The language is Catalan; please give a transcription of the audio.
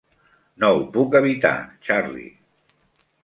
No ho puc evitar, Charley.